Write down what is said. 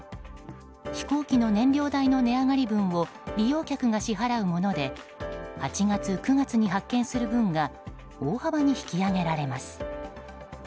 飛行機の燃料代の値上がり分を利用客が支払うもので８月、９月に発券する分が大幅に引き上げられます。